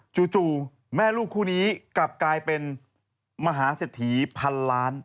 จู่แม่ลูกคู่นี้กลับกลายเป็นมหาเศรษฐีพันล้าน